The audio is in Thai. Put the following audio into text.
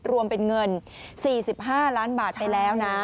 รวมเป็นเงิน๔๕ล้านบาทไปแล้วนะ